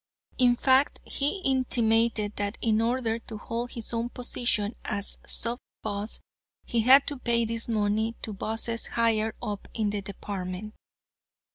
In fact, he intimated that in order to hold his own position as sub boss he had to pay this money to bosses higher up in the department.